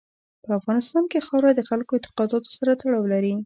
په افغانستان کې خاوره د خلکو اعتقاداتو سره تړاو لري.